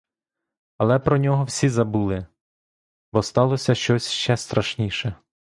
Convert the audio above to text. Але про нього всі забули, бо сталося щось ще страшніше.